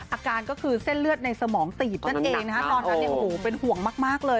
อาการก็คือเส้นเลือดในสมองตีบนั่นเองตอนนั้นเป็นห่วงมากเลย